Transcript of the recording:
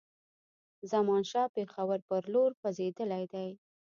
زمانشاه پېښور پر لور خوځېدلی دی.